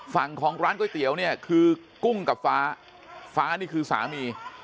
ฝั่งของร้านก๋วยเตี๋ยวเนี่ยคือกุ้งกับฟ้าฟ้านี่คือสามี